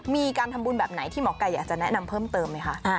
มีการทำบุญแบบไหนที่หมอไก่อยากจะแนะนำเพิ่มเติมไหมคะ